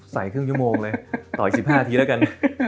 ครึ่งชั่วโมงเลยต่ออีก๑๕ทีแล้วกัน